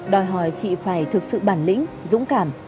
đòi hỏi chị phải thực sự bản lĩnh dũng cảm